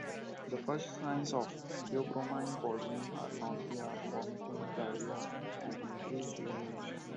The first signs of theobromine poisoning are nausea, vomiting, diarrhea, and increased urination.